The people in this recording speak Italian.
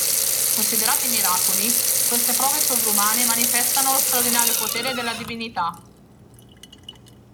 Considerati miracoli, queste prove sovrumane manifestano lo straordinario potere della divinità.